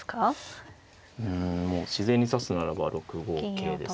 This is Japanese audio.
うんもう自然に指すならば６五桂です。